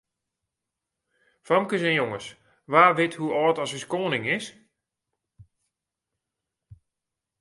Famkes en jonges, wa wit hoe âld as ús koaning is?